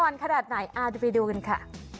ขนาดไหนไปดูกันค่ะ